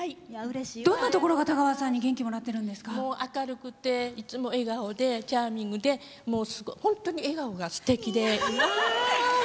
どんなところが田川さんに明るくて、いつも笑顔でチャーミングで本当に笑顔がすてきで。